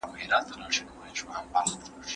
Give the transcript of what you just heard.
انسان مري خو نوم یې پاتې کیږي.